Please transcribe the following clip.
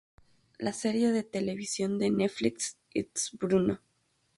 La serie de televisión de Netflix "It's Bruno!